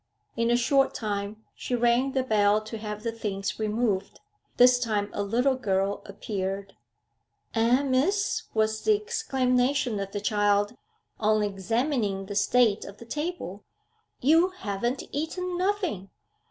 In a short time she rang the bell to have the things removed. This time a little girl appeared. 'Eh, Miss,' was the exclamation of the child, on examining the state of the table, 'you haven't eaten nothing!'